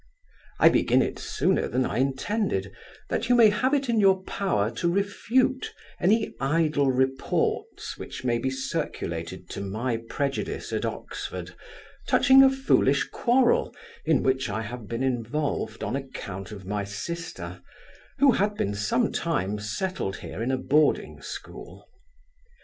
I begin it sooner than I intended, that you may have it in your power to refute any idle reports which may be circulated to my prejudice at Oxford, touching a foolish quarrel, in which I have been involved on account of my sister, who had been some time settled here in a boarding school.